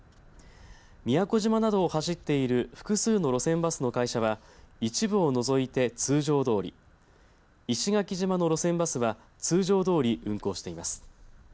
宮古島などを走っている複数の路線バスの会社は一部を除いて通常どおり石垣島の路線バスは通常どおり運行しています。